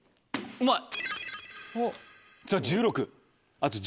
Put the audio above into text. うまい！